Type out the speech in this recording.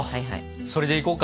それでいこうか。